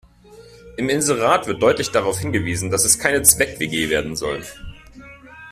Im Inserat wird deutlich darauf hingewiesen, dass es keine Zweck-WG werden soll.